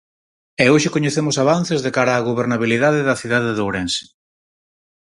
E hoxe coñecemos avances de cara á gobernabilidade da cidade de Ourense.